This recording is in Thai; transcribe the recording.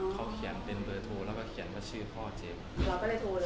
เขาเขียนเป็นเบอร์โทรแล้วก็เขียนว่าชื่อพ่อเจมส์